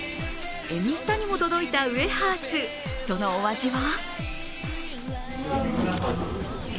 「Ｎスタ」にも届いたウエハース、そのお味は？